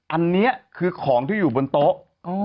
อันนี้คือของที่อยู่บนโต๊ะ